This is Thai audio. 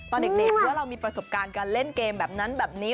ตอนเด็กว่าเรามีประสบการณ์การเล่นเกมแบบนั้นแบบนี้